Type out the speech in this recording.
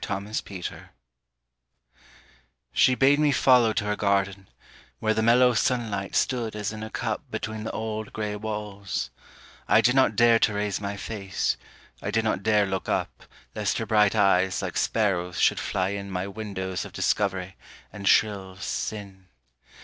SNAP DRAGON SHE bade me follow to her garden, where The mellow sunlight stood as in a cup Between the old grey walls; I did not dare To raise my face, I did not dare look up, Lest her bright eyes like sparrows should fly in My windows of discovery, and shrill "Sin."